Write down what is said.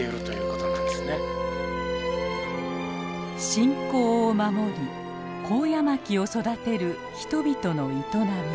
信仰を守りコウヤマキを育てる人々の営み。